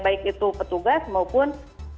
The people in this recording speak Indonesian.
baik itu petugas maupun